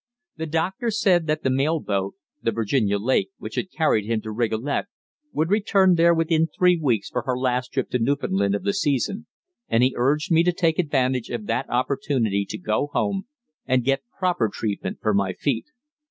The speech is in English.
The doctor said that the mail boat, the Virginia Lake, which had carried him to Rigolet, would return there within three weeks for her last trip to Newfoundland of the season, and he urged me to take advantage of that opportunity to go home, and get proper treatment for my feet.